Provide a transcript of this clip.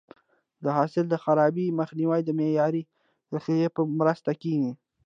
د حاصل د خرابي مخنیوی د معیاري ذخیرې په مرسته کېږي.